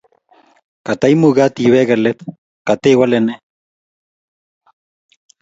kata imugat iwege letketewale nee